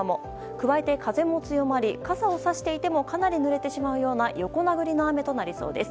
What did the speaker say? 加えて風も強まり傘をさしていてもかなり濡れてしまうような横殴りの雨となりそうです。